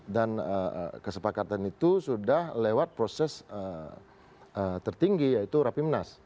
dan kesepakatan itu sudah lewat proses tertinggi yaitu rapimnas